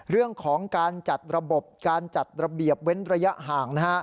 เรื่องของการจัดระบบการจัดระเบียบเว้นระยะห่าง